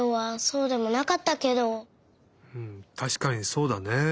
うんたしかにそうだね。